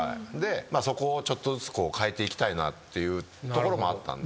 そこをちょっとずつ変えていきたいなっていうところもあったんで。